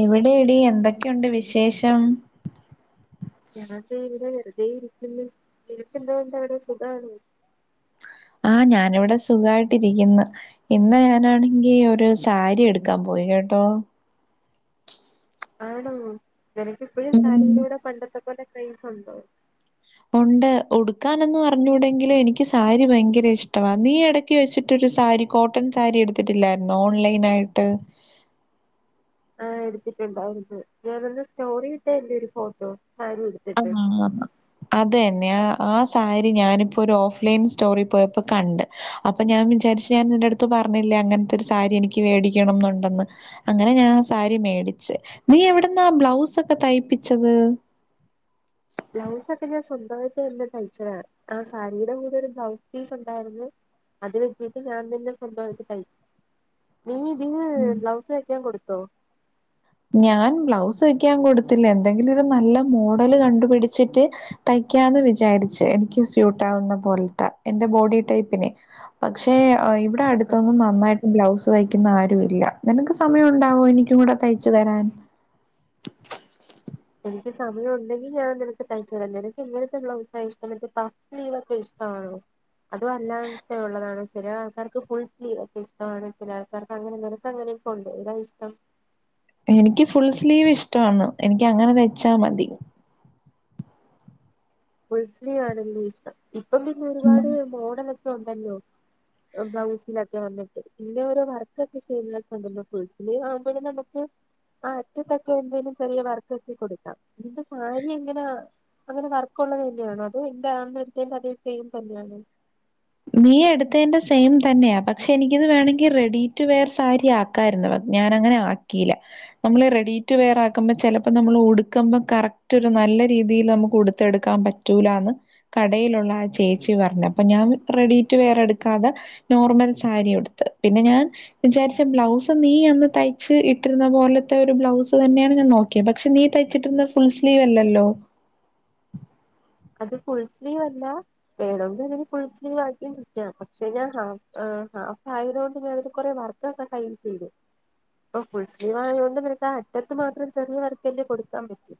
എവിടെടി എന്തൊക്കെയുണ്ട് വിശേഷം? ഞാതെ ഇവടെ വെറ്തെ ഇരിക്ക്ന്ന് നിനക്കന്താ ഉണ്ടവിട സുഖാണോ? ആ ഞാനിവടെ സുഖായിട്ടിരിക്ക്ന്ന് ഇന്ന് ഞാനാണെങ്കി ഒരു സാരി യെടുക്കാൻ പോയി കേട്ടോ ആണോ നിനക്കിപ്പഴും ഉം സാരിയിലൂടെ പണ്ടത്തെ പോലെ ക്രൈസ്ണ്ടോ ഒണ്ട് ഉടുക്കാനൊന്നും അറഞ്ഞൂടെങ്കിലും എനിക്ക് സാരി ഭയങ്കര ഇഷ്ടമാ നീ എട ക്കി വെച്ചിട്ടൊരു സാരി കോട്ടൺ സാരി എട്ത്തിട്ടില്ലായിര് ന്നോ ഓൺലൈൻ ആയിട്ട്. ആ എടുത്തിട്ട്ണ്ടായിരുന്നു ഞാനൊന്ന് സ്റ്റോറി ഇട്ടാ എന്റെ ഒരു ഫോട്ടോ സാരി ഉടു [unintelligible] അതന്നെ ആ സാരി ഞാനിപ്പോ ഒരു ഓഫ്ലൈൻ സ്റ്റോറി പോയപ്പോ കണ്ട് അപ്പൊ ഞാൻ വിചാരിച്ച് ഞാ ന്റെ അട്ത്ത് പർഞ്ഞില്ലേ അങ്ങൻതൊരു സാരി എനിക്ക് മേടിക്കണം എന്നുണ്ടെന്ന് അങ്ങനെ ഞാൻ ആ സാരി മേടിച്ച് നീ എവട്ന്നാ ബ്ലൗസൊക്കെ തയ്പ്പിച്ചത്. ബ്ലൗസൊക്കെ ഞാൻ സ്വന്തമായിട്ട് തഴ്ച്ചതാണ് ആ സാരീടെ കൂടെ ഒരു ബ്ലൗസ് പീസ് ഉണ്ടായിരുന്നു. അത് വെട്ടിയിട്ട് ഞാൻ തന്നെ സ്വന്തമായിട്ട് തയ്യ് നീ ഇതിന് ഉം. ബ്ലൗസ് തയ്ക്കാൻ കൊടുത്തോ? ഞാൻ ബ്ലൗസ് വെക്കാൻ കൊടുത്തില്ല എന്തെങ്കിലും ഒരു നല്ല മോഡല് കണ്ടുപിടിച്ചിട്ട് തയ്ക്കാന്ന് വിചാരിച്ച് എനിക്ക് സ്യൂട്ടാവുന്ന പോലത്തെ എന്റെ ബോഡി ടൈപ്പിനെ പക്ഷെ അയ് വ് ആ തടുത്തൊന്നും നന്നായിട്ട് ബ്ലൗസ് തയ്ക്കുന്ന ആരുല്ല നിനക്ക് സമയം ണ്ടാവോ എനിക്കും കൂടെ തയ് ച്ച് തരാൻ എനിക്ക് സമയം ഉണ്ടെങ്കിൽ ഞാൻ നിനക്ക് തയ്ച്ച തരാ നിനക്ക്ങ്ങനത്തെെ ബ്ലൗസാ ഇഷ്ടം പാ സ്ലീ വൊക്കെ ഇഷ്ടമാണോ? അതു അല്ലാത്ത ഉള്ളതാണ് ചില ആൾക്കാർക്ക് ഫുൾ സ്ലീവൊക്കെ ഇഷ്ടമാണ് ചില [unintelligible] നിനക്ക് അങ്ങനൊക്കെണ്ട് ഏതാ ഇഷ്ടം എനിക്ക് ഫുൾ സ്ലീവ് ഇഷ്ടാണ് എനിക്ക് അങ്ങനെ തയ്ച്ചാൽ മതി. ഫുൾ സ്ലീവ് ാണ്കിഷ്ട്ടം ഇപ്പൊ പിന്നെ ഒരുപാട് മോഡലൊക്കെ ണ്ടല്ലോ [inaudible] ബ്ലൗസിലൊക്കെ വന്നിട്ട് പിന്നെ ഓരോ വർക്കൊക്കെ ചെയ്യുന്ന സമയം പേഴ്സണലീ ആവുമ്പോ നമക്ക് ആ അറ്റത്തക്കെ എന്തേലും ചെറിയ വർക്ക് എത്തി കൊടുക്കാം നിന്റെ സാരി എങ്ങനാ അങ്ങനെ വർ കുള്ള തന്നെയാണ് അതൊ ന്റെ അന്നതേന്റെ സേം തന്നെയാണോ. നീ എടുത്തെന്റെ സെയിം തന്നെയാ പക്ഷെ എനിക്കിത് വേണങ്കിൽ റെഡി ടു വെയർ സാരി ആ ആക്കായിരുന്നു ഞാൻ അങ്ങനെ ആക്കീല്ല. നമ്മള് റെഡി ടു വെയർ ആക്കുമ്പോൾ ചെലപ്പോ നമ്മൾ ഉടുക്കമ്പോ കറക്റ്റൊരു നല്ല രീതീൽ നമുക്ക് ഉടുത്തെടുക്കാൻ പ റ്റൂലാന്ന് കടയിലുള്ള ആ ചേച്ചി പറഞ്ഞപ്പൊ ഞാൻ റെഡിറ്റു വേറെട്ക്കാതെ നോർമൽ സാരി ഉടുത്ത് പിന്നെ ഞാൻ വിചാര്ച്ച ബ്ലൗസ് നീ അന്ന് തയ്ച്ച് ഇട്ടീര്ന്ന പോലത്തെ ഒരു ബ്ലൗസ് തന്നെയാണ് ഞാൻ നോ കിയേ പക്ഷെ നീ തയ്ച്ചിട്ടിന്ന് ഫുൾ സ്ലീവ് അല്ലല്ലോ. അത് ഫുൾ സ്ലീവ് അല്ല വേണോങ്കിൽ ഫുൾ സ്ലീവാക്കിക്ക പക്ഷെ ഞാൻ ഹാഫായതോണ്ട് ഞാൻ കൊറെ വർ [unintelligible] ഓ ഫുൾ സ്ലീവ് ആയതുകൊണ്ട് നിനക്ക് ആ അറ്റത്ത് മാത്രം ചെറിയ വർക്കല്ലേ കൊടുക്കാൻ പറ്റും.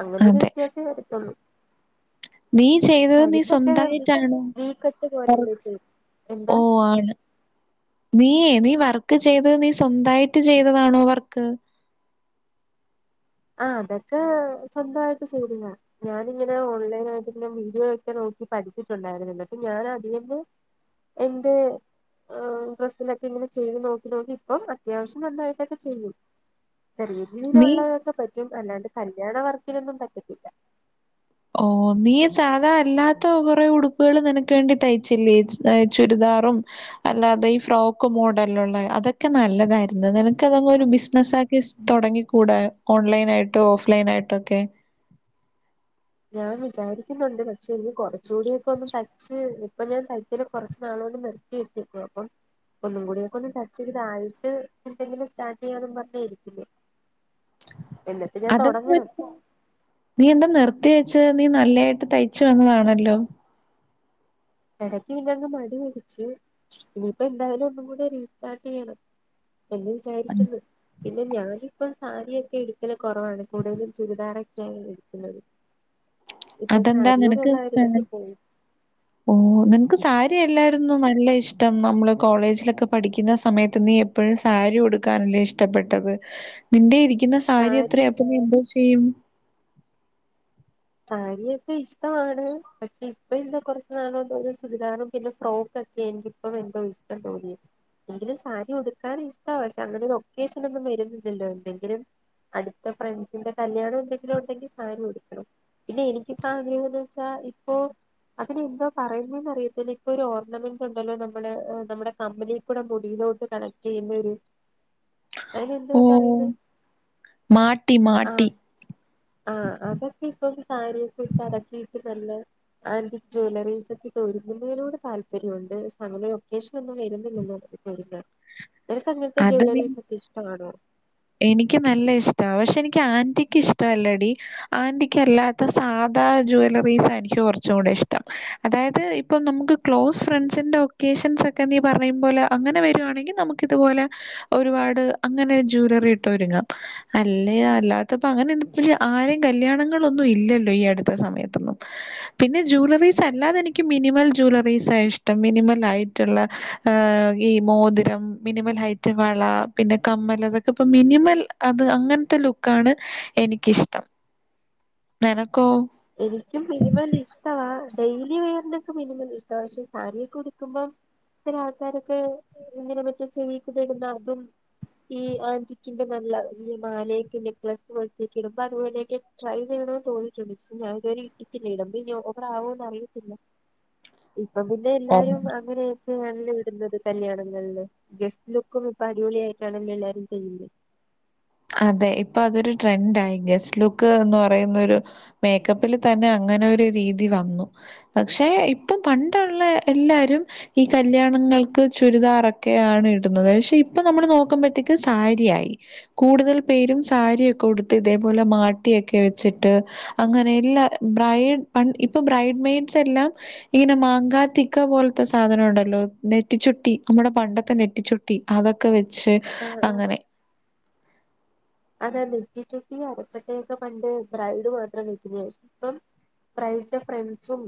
അങ്ങനെ ഒരു അതെ വ്യത്യാസം വരുത്തുള്ളു നീ ചെയ്തത് നീ കഴുത്തൊക്കെ സ്വന്തമായിട്ടാണോ വീക്കട്ട് പോലല്ലേ ചെയ്ത് ഓ എന്താ ആണ് നീയ നീ വർക്ക് ചെയ്തത് നീ സ്വന്തായിട്ട് ചെയ്തതാണോ വർക്ക്? ആഹ അതൊക്കെ സ്വന്തമായിട്ട് ചെയ്തതാ ഞാാനിങ്ങനെ ഓൺലൈന ആയിട്ട്ന്നെ വീഡിയോ ഒക്കെ നോക്കി പഠിച്ചിട്ടുണ്ടായിരുന്ന അപ്പൊ ഞാൻ അതിന്ന് എന്ത് ഡ്രസ്സിലൊക്കെ ങ്ങനെ ചെയ്ത് നോക്കി നോക്കി ഇപ്പം അത്യാവശ്യം നന്നായിട്ടൊക്കെ ചെയ്യും. ചെറിയ നീ രീതിയിലുള്ളതൊക്കെ പറ്റും അല്ലാണ്ട് കല്യാണ വർക്കിനൊന്നും പറ്റത്തില്ല. ഓ നീ സാധാ അല്ലാത്ത കുറേ ഉടുപ്പുകളും നിനക്ക് വേണ്ടി തയ്ച്ചില്ലേ ചുരിദാറും അല്ലാതെ ഈ ഫ്രോക്ക് മോഡല്ലു അതൊക്കെ നല്ലതായിരുന്നു നിന ക്ക് അതൊരു ബിസിനസ്സ ആക്കി തൊടങ്ങി കൂടെ ഓൺലൈൻ ആയിട്ടോ ഓഫ്‌ലൈൻ ആയിട്ടൊക്കെ ഞാൻ വിചാരിക്കുന്നുണ്ട് പക്ഷെ എനിക്ക് കൊറച്ച് കൂടിയൊക്കെ ഒന്ന് തയ് പച്ച് ഇപ്പൊ ഞാൻ തയ്ക്കല് കൊറച്ച് നാളൊന്ന് നിർത്തി വെച്ചു അപ്പൊ ഒന്നും കൂടിയൊക്കെ ഒന്ന് ടച്ച് ചെയ്തായിട്ട് എന്തെങ്കിലും സ്റ്റാർട്ട് ചെയ്യാന്നും പറഞ്ഞ് ഇരിക്കുന്നെ എന്നിട്ട് ഞാൻ അതെന്ത്‌ തുടങ്ങണം വെച്ച നീ എന്താ നിർത്തി വെച്ച് നീ നല്ലതായിട്ട് തയ്ച്ചു വന്നതാണല്ലോ? എടയ്ക്ക് പിന്നയങ് മടി മടിപിടിച്ച് ഇനിയിപ്പോ എന്തായാലും ഒന്നും കൂടെ റീസ്റ്റാർട്ട് ചെയ്യണം എ വിചാരിക്കുന്നു പിന്നെ ഞാനിപ്പം സാരിയൊക്കെ എട് ഇട്ക്കൽ കൊറവാണ് കൂടുതലും ചുരിദാറൊക്കെ ഇട്ക്ക്ണത് ഇപ്പൊ അതെന്താ സാരിയോട്ള്ള ആ ഇര് ഇതൊക്കെ പോയി ഓ നിനക്ക് സാരി എല്ലാരുംന്നും നല്ല ഇഷ്ടം നമ്മള് കോളേജിലൊക്കെ പഠിക്കുന്ന സമയത്ത് നീ എപ്പ പ്പഴും സാരി ഉടുക്കാനല്ലേ ഇഷ്ടപ്പെട്ടത് നിന്റെ ഇരിക്കുന്ന സാ സാരി എത്രയാ അപ്പ ഇനി എന്തൊ ചെയ്യും സാരിയൊക്കെ ഇഷ്ടമാണ് പക്ഷെ ഇപ്പ എന്തോ കൊറച്ചു നാളോ [unintelligible] ചുരിദാറും പിന്നെ ഫ്രോക്ക് എനിക്കിപ്പം എന്തൊ ഇഷ്ടം തോന്നിയെ എങ്കിലും സാരി ഉടുക്കാൻ ഇഷ്ടവ പക്ഷെ അങ്ങനെ ഒക്കേഷൻ ഒന്നും വരുന്നില്ലല്ലോ എന്തെങ്കിലും അടുത്ത ഫ്രണ്ട്സിന്റെ കല്യാണെ എന്തെങ്കിലുണ്ടെങ്കിൽ സാരി ഉടുക്കണം പിന്നെ എനിക്കിപ്പോ ആഗ്രഹം എന്ന് വെച്ചാ ഇപ്പൊ അതിനെന്താ പറയുന്നെന്നറിയത്തില്ല ഇപ്പൊ ഒരു ഓർണമെന്റ് ഉണ്ടല്ലോ നമ്മള് നമ്മുടെ കമ്മലീ കൂടെ മുടിയിലോട്ട് കണക്റ്റ് ചെയ്യുന്ന ഒരു ഓ അതിനെന്തുവാ പറയുന്നെ മാട്ടി ആ മാട്ടി ആഹ് അതൊക്കെ ഇപ്പം സാരിയൊക്കെ ഇട്ട് അതൊക്കെയിട്ട് നല്ലെ ആന്റി ജ്വല്ലറീസ് ഒക്കെ ഒരുങ്ങുന്നതിനോട് താല്പര്യോണ്ട് പക്ഷെ അങ്ങനൊരു ഒക്കേഷൻ ഒന്നും വരുന്നില്ലല്ലോ [unintelligible] ഉ നിനക് അങ്ങൻത്തെ ജ്വല്ലറീസ് ഒക്കെ ഇഷ്ടവാണോ? എനിക്ക് നല്ല ഇഷ്ട പക്ഷെ എനിക്ക് ആന്റിക്ക് ഇഷ്ട അല്ലടി ആന്റിക്ക് അല്ലാത്ത സാധാ ജുവല്ലറീസ് എനിക്ക് കൊറച്ചും കൂടെ ഇഷ്ടം അതായത് ഇപ്പം നമുക്ക് ക്ലോസ് ഫ്രണ്ട്സിന്റെറെ ഒക്കേഷൻസൊക്കെ നീ പറയും പോലെ അങ്ങനെ വരുവാണെങ്കി നമു ക്ക് ഇതുപോലെ ഒരുപാട് അങ്ങനെ ജുവൽറി ഇട്ട് ഒരുങ്ങാം അല്ലെ അല്ലാത്തപ്പ അങ്ങനെ ഇണ്ട്പ്പഞ് ആരേം കല്യാണങ്ങളൊന്നും ഇല്ലല്ലോ ഈ അടുത്ത സമയത്തൊന്നും പിന്നെ ജൂല്ലറീസ് അല്ലാതെ എനിക്ക് മിനിമൽ ജൂലറീസ് ആ ഇഷ്ടം മിനിമൽ ആയിട്ട്ള്ള ഹ് ഈ മോതിരം മിനിമൽ ഹൈറ്റ് വള പിന്നെ കമ്മലത് ഇപ്പ മിനിമൽ അത് അങ്ങൻത്തെ ലുക്കാണ് എനിക്ക് ഇഷ്ടം നെനക്കോ? എനിക്കും മിനിമൽ ഇഷ്ടവാ ഡെയിലി വെയറിനൊക്കെ മിനിമൽ ഇഷ്ടവാ പക്ഷെ സാരിയൊക്കെ ഉടുക്കുമ്പോ ചെലെ ആൾക്കാരൊക്കെ ഇങ്ങനെ മറ്റേ ചെവികൂടെ ഇട്ന്ന അതും ഈ ആന്റിക്കിന്റെ നല്ല വെല്യ മാലയെക്കെ നെക്ലസ് പോലത്തെക്കെ ഇടുമ്പോ അതുപോലെയക്കെ ട്രൈ ചെയണ തോന്നീറ്റുണ്ട് ഞാ ഇതുവരെ ഇട്ടിട്ടില്ല ഇടുമ്പോ ഇനി ഓവറാവോ അറിയത്തില്ല ഇപ്പം പിന്നെ അതെ ഓഹ് എല്ലാരും അങ്ങനെ നെയാണല്ലോ ഇടുന്നത് കല്യാണങ്ങളില് ഗസ്റ്റ് ലുക്കും ഇപ്പൊ അടിപൊളി ആയിട്ടാണല്ലോ എല്ലാരും ചെയ്യുന്ന. അതെ ഇപ്പൊ അതൊരു ട്രെൻന്റായി ഗസ്റ്റ് ലുക്ക് എന്ന് പറയുന്നൊരു മേക്കപ്പില് തന്നെ അങ്ങനെ ഒരു രീതി വന്നു. പക്ഷേ ഇപ്പം പണ്ടുള്ള എല്ലാവരും ഈ കല്യാണങ്ങൾക്ക് ചുരിദാറൊക്കെയാണ് ഇടുന്നത് പക്ഷെ ഇപ്പൊ നമ്മള് നോക്കുമ്പോഴത്തേ ഇപ്പ സാരിയായി കൂടുതൽ പേരും സാരിയൊക്കെ ഉടുത്ത് ഇതേപോലെ മാട്ടിയൊക്കെ വെച്ചിട്ട് അങ്ങനെ എല്ലാ ബ്രൈഡ് പ ഇപ്പൊ ബ്രൈഡ് മെയഡസ് എല്ലാം ഇങ്ങനെ മാങ്കാത്തിക്ക പോലത്തെ സാധനം ഉണ്ടല്ലോ നെറ്റിച്ചുട്ടി ന മ്മുടെ പണ്ടത്തെ നെറ്റിച്ചുട്ടി. അതൊക്കെ വെച്ച് ആഹ് ആഹ് അങ്ങനെ അതാ നെട്ടിച്ചുട്ടി അരപ്പട്ടഒക്കെ പണ്ട് ബ്രൈഡ് മാത്രം വെക്കും ഇപ്പം ബ്രൈഡിന്റെ ഫ്രണ്ട്സും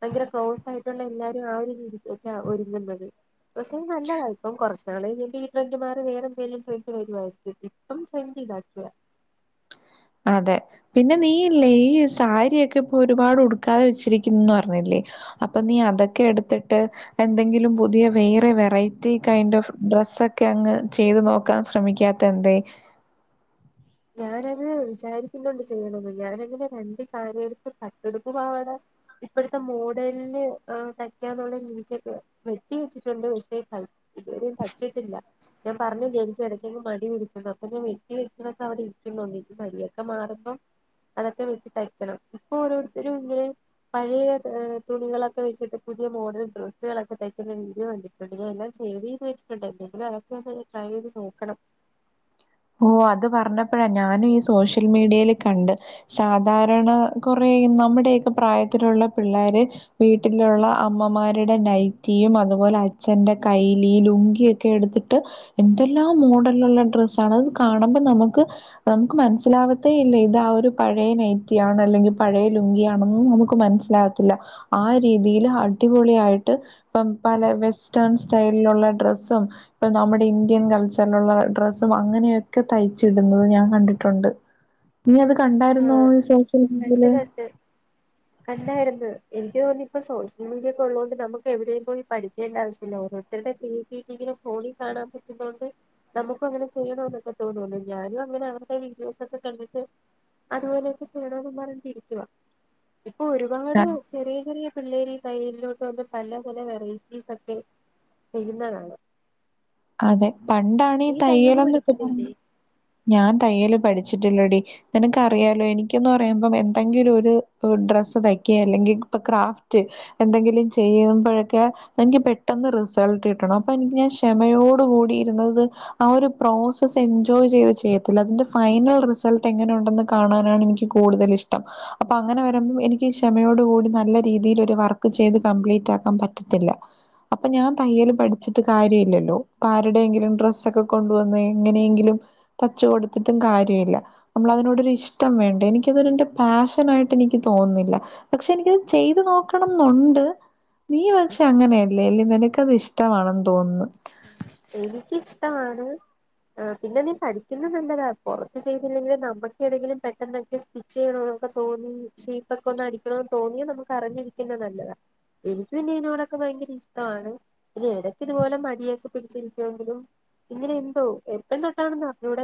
ഭയങ്കര ക്ലോസ് ആയിട്ടുള്ള എല്ലാരും ആ ഒരു രീതി ഒക്കെ ഒരുങ്ങുന്നത്. പക്ഷെ നല്ലതാ ഇപ്പൊ കുറച്ച് നാൾ വേണ്ടി ഈ ഫ്രണ്ട്മാർ വേറെ ഫ്രണ്ട് വരുവമായി ഇപ്പം ഫ്ര, ഇതാക്കെ അതെ പിന്നെ നീ ഇല്ലേ ഈ സാരിയൊക്കെ ഇപ്പൊ ഒരുപാട് ഉടുക്കാതെ വെച്ചിരിക്കുന്നുന്ന് പറഞ്ഞില്ലേ? അപ്പൊ നീ അതൊക്കെ എടുത്തിട്ട് എന്തെങ്കിലും പുതിയ വേറെ വെറൈറ്റി കൈൻഡ് ഓഫ് ഡ്രസ്സ് ഒക്കെ അങ്ങ് ചെയ്തു നോക്കാൻ ശ്രമിക്കാത്ത തെന്തേ ഞാൻ അത് വിചാരിക്കുന്നുണ്ട് ചെയ്യണന്ന് ഞാൻ എങ്ങനെ രണ്ട് കാര്യടുത്ത് പട്ട്ടുപ്പ് പവാട ഇപ്പോഴത്തെ മോഡലിൽ തയ്ക്കാന്നുള്ളത് എനിക്കൊക്കെ വെട്ടി വെച്ചിട്ടുണ്ട് പക്ഷെ ഇതുവരെ തയ്ച്ചിട്ടില്ല. ഞാൻ പറഞ്ഞില്ലേ എനിക്ക് ഇടക്ക് മടി പിടിച്ച അപ്പൊ ഞാൻ വെട്ടിടിച്ച അവിടെ ഇരിക്കുന്നുണ്ട് മടിയൊക്കെ മാറുമ്പോം. അതൊക്കെ വിട്ടി തയ്ക്കണം ഇപ്പൊ ഓരോരുത്തരും ഇല്ലേ പഴയ തുണികളൊക്കെ വെച്ചിട്ട് പുതിയ മോഡൽ ഡ്രസ്സ്‌കളൊക്കെ തയ്ക്കുന്ന വീഡിയോ കണ്ടി വീഡിയോ എല്ലാം സേവ് ചെയ്ത് വെച്ചട്ടുണ്ട് എങ്കിലും അതോക്ക ട്രൈ ചെയ്ത് നോക്കണം. ഓ അത് പറഞ്ഞപ്പോഴാ ഞാനും ഈ സോഷ്യൽ മീഡിയൽ കണ്ട് സാധാരണ കൊറെ നമ്മുടെയൊക്കെ പ്രായത്തിലുള്ള പിള്ളോര് വീട്ടിലുള്ള അമ്മമാരുടെ നൈറ്റിയും അതുപോലെ അച്ഛന്റെ കൈലി ലുങ്കി കി എടുത്തിട്ട് എന്തെല്ലാം മോഡലിലുള്ള ഡ്രസ്സ് കളാ അത് കാണുമ്പോ നമുക്ക്, നമുക്ക് മനസ്സിലാകത്തേ ഇല്ല ഇത് ആ ഒരു പഴയ നൈറ്റി ആണ് അല്ലെങ്കിൽ പഴയ ലുങ്കിയാണെന്ന് നമുക്ക് മനസ് ത്തില്ല ആ രീതിൽ അടിപൊളിആയിട്ട് ഇപ്പം പല വെസ്റ്റേൺ സ്റ്റൈലിലുള്ള ഡ്രസ്സും ഇപ്പൊ നമ്മുടെ ഇന്ത്യൻ കൾച്ചറിലുള്ള ഡ്രസ്സ് അങ്ങനെയൊക്കെ തയ്ച്ചി ഇടുന്നത് ഞാൻ കണ്ടിട്ടുണ്ട് നീ അത് കണ്ടായിരുന്നോ ആഹ് ഈ സോഷ്യൽ മീഡിയയിൽ കണ്ട് കണ്ട് കണ്ടായിരുന്നു. എനിക്ക് തോന്നിപ്പോ സോഷ്യ മീഡിയക്ക ഉള്ളത കൊണ്ട് നമുക്ക് എവിടേം പോയി പഠിക്കേണ്ട ആവശ്യ പിന്ന ഓരോരുത്തരുടെ [unintelligible] ഇങ്ങനെ ഫോണി കാണാൻ പറ്റുന്നൊണ്ട് നമുക് അങ്ങനെ ചെയ്യണന്നൊക്കെ തോന്നുന്നു ഞാനും അങ്ങനെ അവരുടെ വിഡിയോ സൊക്കെ കണ്ടിട്ട് അതുപോലെയൊക്കെ ചെയേണന്ന് പറഞ്ഞിട്ടിരിക്കവാ ഇപ്പൊ ഒരുപാട് ചെറിയ ചെറിയ പിള്ളേർ തൈയലിലോട്ട് വന്ന് പല പല വെറൈറ്റീസ് ഒക്കെ ചെയ്യുന്നകാണാ. അതെ പണ്ടാണേ നീ തയ്യല് തയ്യലന്ന് പറഞ്ഞ പഠിക്കുന്നില്ലേ ഞാൻ തയ്യല് പഠിച്ചിട്ടില്ലടി. നക്ക്റിയാലോ എനിക്കന്ന് പറയുമ്പോ എന്തെങ്കിലും ഒരു ഡ്രസ്സ് തയ്ക്കെ അല്ലെങ്കിൽ ഇപ്പൊ ക്രാഫ്റ്റ് എന്തെങ്കിലും ചെയ്യുമ്പോഴൊക്കെ എനിക്ക് പെട്ടെന്ന് റിസൾട്ട് കിട്ടണം അപ്പൊ എനിക്ക് ഞാൻ മ്മയോട് കൂടിയിരുന്നത് ആ ഒരു പ്രോസസ് എൻജോയ് ചെയ്ത് ചെയ്യത്തില്ല അതിന്റെ ഫൈനൽ റിസൾട്ട് എങ്ങനെ ഉണ്ടെന്ന് കാണാനാണ് എനിക്ക് നിക്ക് കൂടുതൽ ഇഷ്ടം. അപ്പൊ അങ്ങനെ വരുമ്പം എനിക്ക് ക്ഷമയോടു കൂടി നല്ല രീതിയിൽ ഒരു വർക്ക് ചെയ്ത് കംപ്ലീറ്റ് ആക്കാൻ പറ്റത്തില്ല. അപ്പൊ ഞാൻ തയ്യല് പഠിച്ചിട്ട് കാര്യമില്ലല്ലോ? ആരുടെങ്കിലും ഡ്രസ്സൊക്കെ കൊണ്ടുവന്ന് എങ്ങനെയെങ്കിലും തച്ച്കൊടുത്തിട്ടും കാര്യമില്ല. നമ്മള അതിനോടൊരു ഇഷ്ടം വേണ്ടേ എനിക്കതൊരൻ്റെ പാഷൻ ആയിട്ട് എനിക്ക് തോന്നുന്നില്ല. പക്ഷെ എനിക്കത് ചെയ്തു നോക്കണം ന്നുണ്ട്. നീ പക്ഷെ അങ്ങനെയല്ലേല്ല നിനക്ക്ത് ഇഷ്ടമാണെന്ന് തോന്നുന്നു എനിക്കിഷ്ടമാണ്. ആഹ് പിന്നെ നീ പഠിക്കുന്ന നല്ലതാ പുറത്തു ചെയ്തില്ലെങ്കിൽ നമ്മുക്ക് എതെങ്കിലും പെട്ടെന്നൊക്കെ സ്റ്റിച്ച് ചെയ്യണ എന്നൊക്കെ തോന്നി ഷേപ്പക്കെ ഒന്ന് അടിക്കണമന്ന് തോന്നിയാ നമുക്ക് അറിഞ്ഞിരിക്കുന്ന നല്ലതാണ് എനിക്ക് പിന്നെ ഇതിനോടൊക്കെ ഭയങ്കര ഇഷ്ടമാണ് ഇനി ഇടക്കിതു പോലെ മ യൊക്കെ പിഠിച്ചിരിക്കുവെങ്കിലും ഇങ്ങനെ എന്തോ എപ്പം തൊട്ടാണെന്ന് അറിഞ്ഞൂട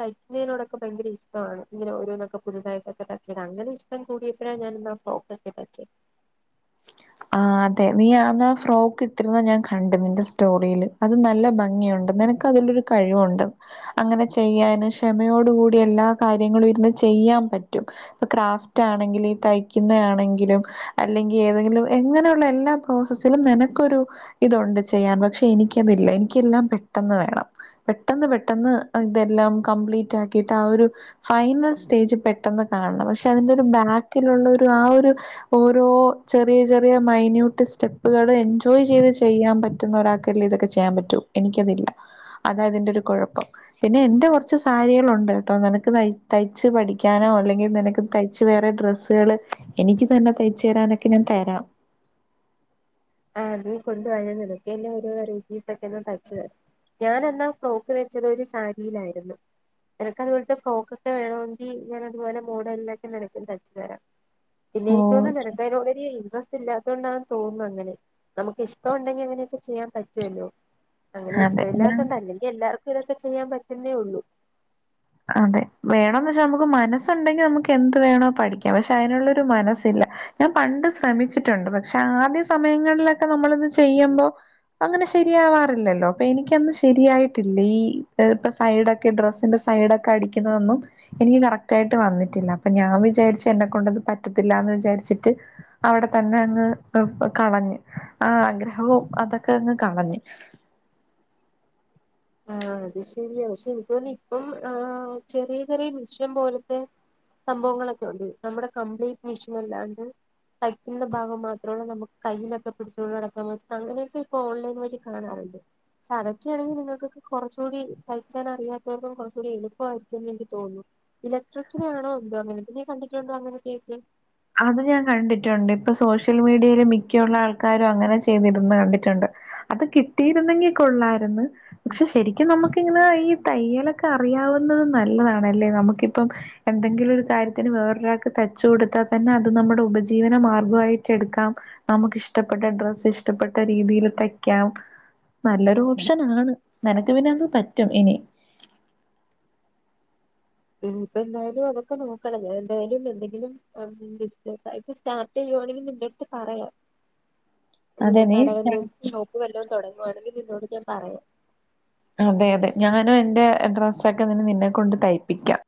തയ്ക്കുന്നതിനോടൊക്കെ ഭയങ്കര ഇഷ്ടം ഇങ്ങനെ ഓരോന്നൊക്കെ പുതുതായിട്ടൊക്കെ തു അങ്ങനെ ഇഷ്ടം കൂടിയപ്പോഴാ ഞാൻ ആ ഫ്രോക്കൊക്കെ തച്ചേ ആഹ് അതെ നീ ആന്ന ആ ഫ്രോക്ക് ഇട്ടിരുന്ന ഞാൻ കണ്ട് നിന്റെ സ്റ്റോറില് അത് നല്ല ഭംഗിയുണ്ടല്ല നിനക്കതിലൊരു കഴിവുണ്ട് അങ്ങനെ ചെയ്യാന് ക്ഷമയോട കൂടി എല്ലാ കാര്യങ്ങളും ഇരുന്ന് ചെയ്യാൻ പറ്റും ക്രാഫ്റ്റ് ആണെങ്കിലും തയ്ക്കുന്ന ആണെങ്കിലും അല്ലെങ്കിൽ ഏതെങ്കിലും എങ്ങനെയുള്ള എല്ലാ പ്രോസസ്സിലും നിനക്കൊരു ഇതുണ്ട് ചെയ്യാൻ പക്ഷെ എനിക്കതില്ല എനിക്കെല്ലാം പെട്ടെന്ന് വേണം പെട്ടെന്ന് പെട്ടെന്ന് ഇതെല്ലാം കംപ്ലീറ്റ് ആക്കിയിട്ട് ആ ഒരു ഫൈനൽ സ്റ്റേജ് പെട്ടെന്ന് കാണണം പക്ഷെ അതിന്റെ ഒരു ബാക്കിലുള്ള ഒരു ആ ഒരു ഓരോ ചെ ചെറിയ ചെറിയ മൈന്യൂട്ട് സ്റ്റെപ്പുകൾ എൻജോയ് ചെയ്ത് ചെയ്യാൻ പറ്റുന്ന ഒരാൾക്കല്ലേ ഇതൊക്കെ ചെയ്യാൻ പറ്റോ എനിക്കതില്ല അതായതിന്റെ ഒരു കുഴപ്പം പിന്നെ എന്റെ കുറച്ച് സാരികളുണ്ട് കേട്ടോ നിനക്ക് തയ്ച്ച് പഠിക്കാനോ അല്ലെങ്കിൽ നിനക്ക് തയ്ച്ച് വേറെ ഡ്രസ്സ് എനിക്ക് തന്നെ തയ്ച്ചു തരാനൊക്കെ ഞാൻ തരാം ആഹ് നീ കൊണ്ട് വാ നിനക്ക് തന്നെ ഒരു പറ്റുന്ന രീതിയിൽ തയ്ച്ചു തരാം ഞാൻ അന്നാ ഫ്രോക്ക് വെച്ചത് ഒരു സാരിയിലായിരുന്നു നിനക്കതു പോലത്തെ ഫ്രോക്ക ഒക്കെ വേണോങ്കി ഞാൻ അതുപോലെ മോഡലിലാക്കി നിനക്കും തച്ചുതരാം പിന്നെ ഓ എനിക്ക് തോന്ന നിനക്ക അതിനോട് ഇൻട്രസ്റ്റ് ഇല്ലാത്തുകൊണ്ടാാണ് തോന്നുന്നു അങ്ങനെ നമുക്ക് ഇഷ്ടം ഉണ്ടെങ്കിൽ അങ്ങനെയൊക്കെ ചെയ്യാൻ പറ്റുവല്ലോ അങ്ങനെ അതെ ഞാൻ ഇഷ്ടമല്ലാത്തൊണ്ടല്ലല്ലോ എല്ലാർക്കും ഇതൊക്കെ ചെയ്യാൻ പറ്റുന്നേ ഉള്ളൂ അതെ വേണന്ന് വച്ചാ നമുക്ക് മനസ്സുണ്ടെങ്കിൽ നമുക്ക് എന്ത് വേണോ പഠിക്കാം പക്ഷെ അതിനുള്ളരു മനസ്സില്ല ഞാൻ പണ്ട് ശ്രമിച്ചിട്ടുണ്ട് പക്ഷെ ആദ്യ സമയങ്ങളിലൊക്കെ നമ്മൾ ഇത് ചെയ്യുമ്പോ അങ്ങനെ ശരിയാവാറില്ലല്ലോ അപ്പൊ എനിക്കന്നു ശരിയായിട്ടില്ല ഈ ഇപ്പൊ സൈഡൊക്കെ ഡ്രസ്സിന്റെ സൈഡൊക്കെ അടിക്കുന്നതൊന്നും എനിക്ക് കറക്റ്റ് ആയിട്ട് വന്നിട്ടില്ല അപ്പൊ ഞാൻ വിചാരിച്ചു എന്നെ കൊണ്ടത് പറ്റത്തില്ല എന്ന് വിചാരിച്ചിട്ട് അവിടെ തന്നെ അങ്ങ് കളഞ്ഞ് ആ ആഗ്രഹവും അതൊക്കെ അങ്ങ് കളഞ്ഞ് ആഹ് അത് ശരിയാ പക്ഷെ ഇപ്പം ആ ചെറിയ ചെറിയ മിഷൻ പോലത്തെ സംഭവങ്ങളൊക്കെ ഉണ്ട് നമ്മുടെ കംപ്ലീറ്റ് മെഷൻ അല്ലാണ്ട് തയ്ക്കുന്ന ഭാഗം മാത്രമുള്ള നമുക്ക് കയ്യിലൊക്കെ പിടിച്ചോണ്ട് നടക്കാൻ പറ്റ അങ്ങനെയൊക്കെ ഇപ്പൊ ഓൺലൈൻ വഴി കാണാറുണ്ട് ച അതൊക്കെയ ആണെങ്കിൽ നിങ്ങൾക്ക് കുറച്ചുകൂടി തയ്ക്കാൻ അറിയാത്തവർക്കും കുറച്ചുകൂടി എളുപ്പമായിരിക്കുംന്ന് എനിക്ക് തോന്നുന്നു ഇലക്ട്രിക്കിലാണോ എന്തോ അങ്ങനത്തെ നീ കണ്ടിട്ടുണ്ടോ അങ്ങനത്തെ ഒക്കെ അത് ഞാൻ കണ്ടിട്ടുണ്ട് ഇപ്പൊ സോഷ്യൽ മീഡിയൽ മിക്കുള്ള ആൾക്കാരും അങ്ങനെ ചെയ്തിടുന്ന കണ്ടിട്ടുണ്ട് അത് കിട്ടിയിരുന്നെങ്കി കൊള്ളായിരുന്നു പക്ഷെ ശരിക്കും നമുക്കിങ്ങനെ ഈ തയ്യലൊക്കെ അറിയാവുന്നത് നല്ലതാണല്ലേ നമുക്കിപ്പം എന്തെങ്കിലും ഒരു കാര്യത്തിന് വേറൊരാൾക്ക് തച് കൊടുത്താ തന്നെ അത് നമ്മുടെ ഉപജീവന മാർഗ്ഗമായിട്ട് എടുക്കാം നമുക്കിഷ്ടപ്പെട്ട ഡ്രസ്സ് ഇഷ്ടപ്പെട്ട രീതിൽ തയ്ക്കാം നല്ലൊരു ഓപ്ഷൻ ആണ് നിനക്ക് പിന്നെ അത് പറ്റും ഇനി ഇപ്പ എന്തായാലും അതൊക്കെ നോക്കണം എന്തായാലും എന്തെങ്കിലും ആ ബിസിനസായ്‌റ്റ് ഇപ്പ സ്റ്റാർട്ട് ചെയ്യുവാണെങ്കിൽ നിന്റെ അടുത്ത് പറയാം [inaudible] ഇങ്ങനെ നീ കട വല്ലവും ശ്രമി- ഷോപ്പ് വല്ലതും തുടങ്ങുകവാണെങ്കിൽ നിന്നോട് ഞാൻ പറയാം അതെ അതെ ഞാനും എന്റെ ഡ്രസ്സൊക്കെ നി നിന്നെ കൊണ്ട് തയ്പിക്കാം